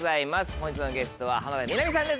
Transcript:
本日のゲストは浜辺美波さんです